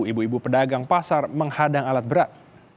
ibu ibu pedagang pasar menghadang alat berat